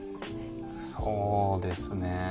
そうですね。